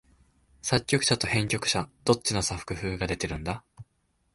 作曲者と編曲者、どっちの作風が出てるんだ？